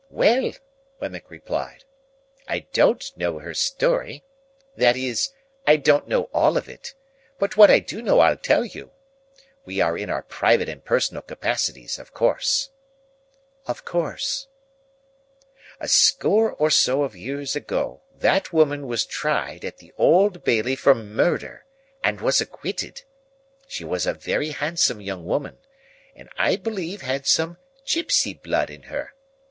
"Well!" Wemmick replied, "I don't know her story,—that is, I don't know all of it. But what I do know I'll tell you. We are in our private and personal capacities, of course." "Of course." "A score or so of years ago, that woman was tried at the Old Bailey for murder, and was acquitted. She was a very handsome young woman, and I believe had some gypsy blood in her.